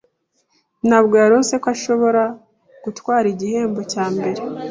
Ntabwo yarose ko ashobora gutwara igihembo cya mbere.